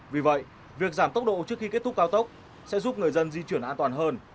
vì vậy việc giảm tốc độ trước khi kết thúc cao tốc sẽ giúp người dân di chuyển an toàn hơn